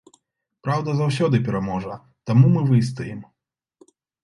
Праўда заўсёды пераможа, таму мы выстаім.